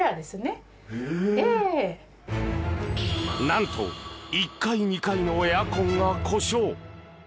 何と１階、２階のエアコンが故障。